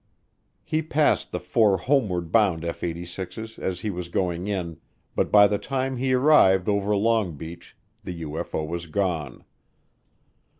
He passed the four homeward bound F 86's as he was going in, but by the time he arrived over Long Beach the UFO was gone.